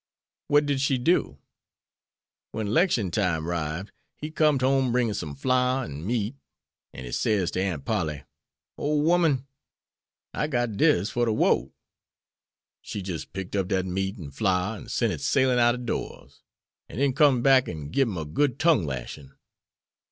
"What did she do?" "Wen 'lection time 'rived, he com'd home bringing some flour an' meat; an' he says ter Aunt Polly, 'Ole woman, I got dis fer de wote.' She jis' picked up dat meat an' flour an' sent it sailin' outer doors, an' den com'd back an' gib him a good tongue lashin'.